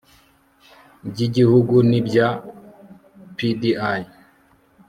by Igihugu n ibya PDI